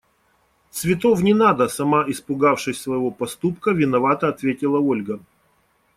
– Цветов не надо! – сама испугавшись своего поступка, виновато ответила Ольга.